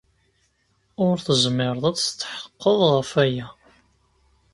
Ur tezmireḍ ad tetḥeqqeḍ ɣef waya.